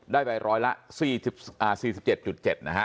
ได้ไปร้อยละ๔๗๗นะฮะ